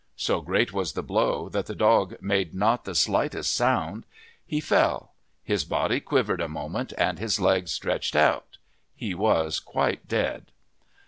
So great was the blow that the dog made not the slightest sound: he fell; his body quivered a moment and his legs stretched out he was quite dead.